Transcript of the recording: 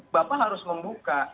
bapak harus membuka